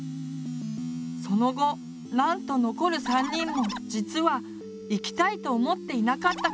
その後なんと残る３人も実は行きたいと思っていなかったことが発覚。